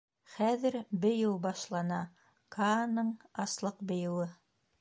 Хәҙер Бейеү башлана — Кааның аслыҡ бейеүе.